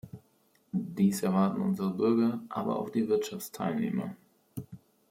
Dies erwarten unsere Bürger, aber auch die Wirtschaftsteilnehmer.